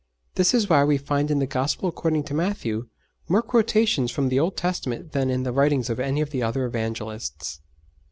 This is why we find in the Gospel according to Matthew more quotations from the Old Testament than in the writings of any of the other evangelists.